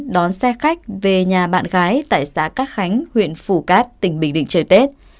đón xe khách về nhà bạn gái tại xã cát khánh huyện phủ cát tỉnh bình định trời tết